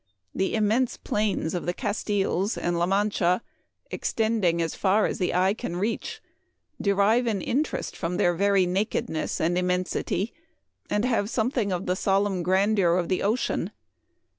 The immense plains of the Castiles and La Mancha, extending as far as the eye can reach, derive an interest from their very nakedness and immensity, and have something of the sol emn grandeur of the ocean.